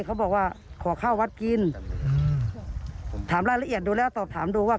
เขาบอกว่าขอข้าววัดกินถามรายละเอียดดูแล้วตอบถามดูว่า